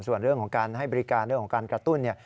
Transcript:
ส่วนเรื่องของการให้บริการเรื่องของการกระตุ้นเนี่ย